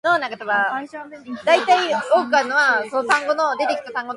A version was included on "Sesame Street Fever".